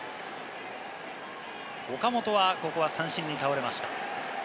岡本はここは三振に倒れました。